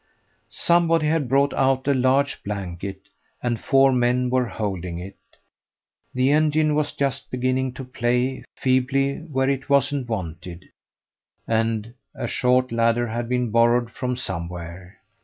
Somebody had brought out a large blanket, and four men were holding it; the engine was just beginning to play feebly where it wasn't wanted; and a short ladder had been borrowed from somewhere.